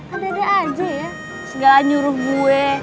ada aja ya segala nyuruh gue